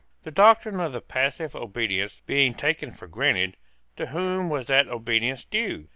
The doctrine of passive obedience being taken for granted, to whom was that obedience due?